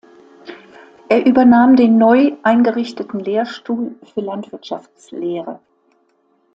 Er übernahm den neu eingerichteten Lehrstuhl für Landwirtschaftslehre.